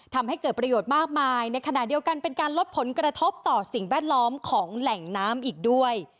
ทำให้เกิดประโยชน์มากมายในขณะเดียวกันเป็นการลดผลกระทบต่อสิ่งแวดล้อมของแหล่งน้ำอีกด้วย